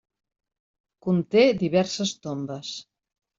Conté diverses tombes.